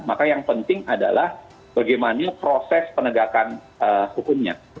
maka yang penting adalah bagaimana proses penegakan hukumnya